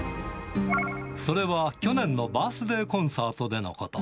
それは去年のバースデーコンサートでのこと。